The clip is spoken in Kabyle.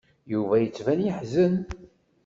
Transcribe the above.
Yuba yettban yeḥzen.